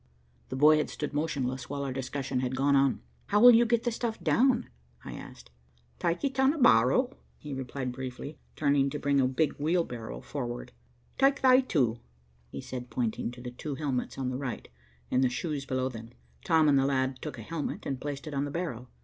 The boy had stood motionless while our discussion had gone on. "How'll you get the stuff down?" I asked. "Tike it on a barrow," he replied briefly, turning to bring a big wheelbarrow forward. "Tike they two," he said, pointing to the two helmets on the right and the shoes below them. Tom and the lad took a helmet, and placed it on the barrow.